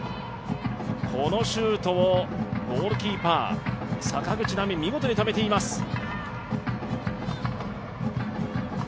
このシュートをゴールキーパー・坂口波、見事に止めています。